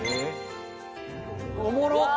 「おもろっ！」